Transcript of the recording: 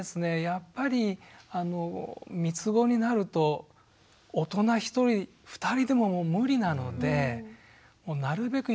やっぱりみつごになると大人１人２人でも無理なのでなるべく